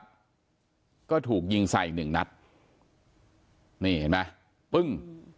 แล้วก็ถูกยิงใส่หนึ่งนัดนี่เห็นไหมปึ้ง